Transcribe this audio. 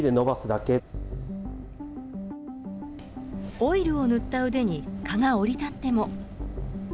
オイルを塗った腕に蚊が降り立っても。